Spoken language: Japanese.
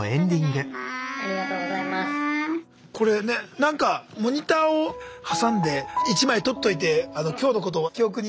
「これねなんかモニターを挟んで一枚撮っといて今日のことを記憶に」。